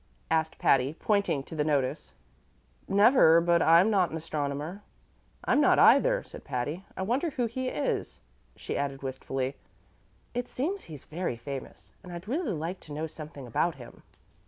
asked Patty, pointing to the notice. "Never; but I'm not an astronomer." "I'm not, either," said Patty. "I wonder who he is?" she added wistfully. "It seems he's very famous, and I'd really like to know something about him."